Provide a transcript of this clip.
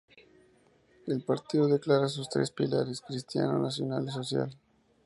El partido declara sus tres pilares: cristiano, nacional y social.